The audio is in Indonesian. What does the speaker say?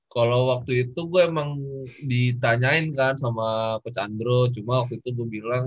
kalau waktu itu gue emang ditanyain kan sama coach andro cuma waktu itu gue bilang